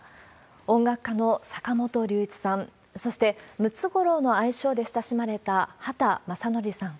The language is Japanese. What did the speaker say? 音楽家の坂本龍一さん、そして、ムツゴロウの愛称で親しまれた畑正憲さん。